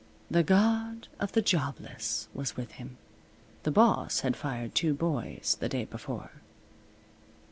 The God of the Jobless was with him. The boss had fired two boys the day before.